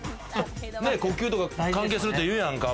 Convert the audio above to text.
呼吸とか関係するっていうやんか。